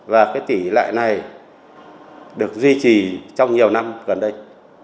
và cái tỷ lệ này được duy trì trong nhiều năm gần đây